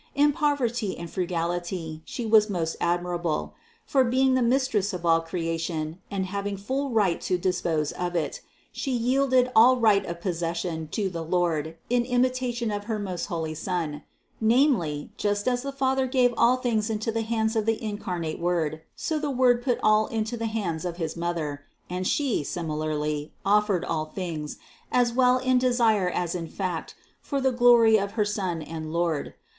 In poverty and fru gality She was most admirable ; for being the Mistress of all creation and having full right to dispose of it, She yielded all right of possession to the Lord in imitation of her most holy Son; namely, just as the Father gave all things into the hands of the incarnate Word, so the Word put all into the hands of his Mother, and She, similarly offered all things, as well in desire as in fact, for the glory of her Son and Lord.